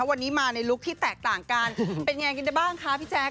วันนี้มาในลุคที่แตกต่างกันเป็นยังไงกันได้บ้างคะพี่แจ๊ค